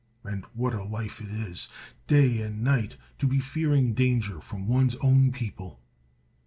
And what a life is it, day and night to be fearing danger from one's own people!